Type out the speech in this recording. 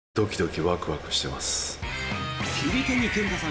桐谷健太さん